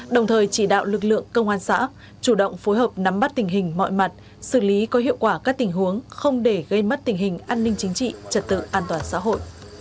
đồng thời chỉ đạo lực lượng công an xã chủ động phối hợp nắm bắt tình hình mọi mặt xử lý có hiệu quả các tình huống không để gây mất tình hình an ninh chính trị trật tự an toàn xã hội